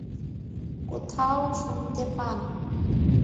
কোথায় শুনতে পান?